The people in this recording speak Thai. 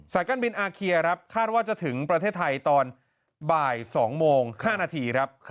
การบินอาเคียครับคาดว่าจะถึงประเทศไทยตอนบ่าย๒โมง๕นาทีครับ